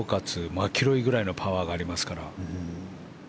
マキロイぐらいのパワーがありますから。